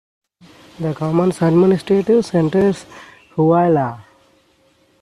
The commune's administrative centre is Schouweiler.